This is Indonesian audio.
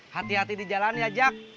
hati hati di jalan ya jak